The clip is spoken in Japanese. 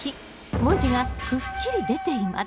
文字がくっきり出ています。